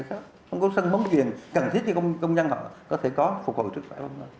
không có sân bóng đá cần thiết cho công nhân họ có thể có phục hồi sức khỏe không